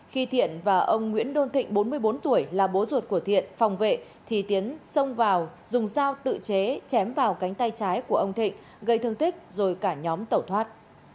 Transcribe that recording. khi thiện và ông nguyễn đôn thịnh bốn mươi bốn tuổi là bố ruột của thiện phòng vệ thì tiến xông vào dùng dao tự chế chém vào cánh tay trái của ông thịnh gây thương tích rồi cả nhóm tẩu thoát